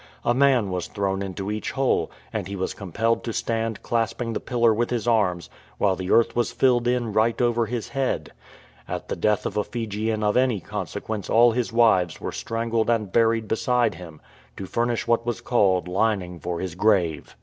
A man was thrown into each hole, and he was compelled to stand clasping the pillar with his arms while the earth was filled in right over his head. At the death of a Fijian of any consequence all his wives were strangled and buried beside him to furnish what was called "lining for his grave."'